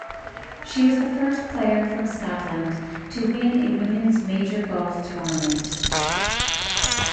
She was the first player from Scotland to win a women's major golf tournament.